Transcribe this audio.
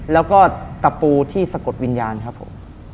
แล้วก็ตะปูที่สะกดวิญญาณครับผม